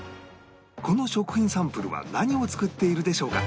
この食品サンプルは何を作っているでしょうか？